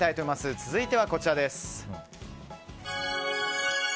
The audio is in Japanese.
続いては、こちら。